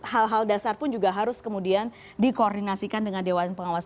hal hal dasar pun juga harus kemudian dikoordinasikan dengan dewan pengawas